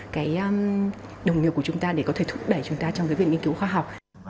cái đồng nghiệp của chúng ta để có thể thúc đẩy chúng ta trong cái việc nghiên cứu khoa học